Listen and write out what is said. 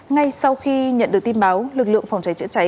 ngay sau khi nhận được tin báo lực lượng phòng cháy chữa cháy